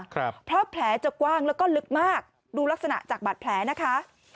ครับเพราะแผลจะกว้างแล้วก็ลึกมากดูลักษณะจากบาดแผลนะคะ